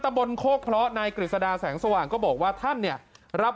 บนโคกเพราะนายกฤษดาแสงสว่างก็บอกว่าท่านเนี่ยรับ